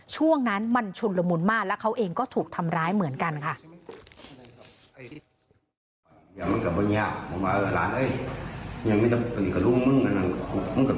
ช่วงนั้นมันชุนละมุนมากแล้วเขาเองก็ถูกทำร้ายเหมือนกันค่ะ